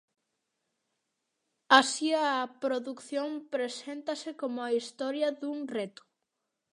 Así, a produción preséntase como a historia dun reto.